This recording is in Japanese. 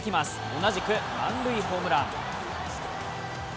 同じく満塁ホームラン。